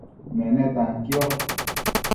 menetan quiosh